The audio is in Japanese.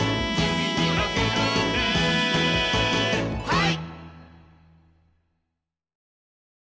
はい！